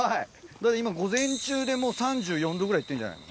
だって今午前中で、もう３４度ぐらいいってんじゃない？